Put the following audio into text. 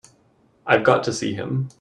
I've got to see him.